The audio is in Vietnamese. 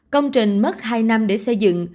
công trình mất hai năm để xây dựng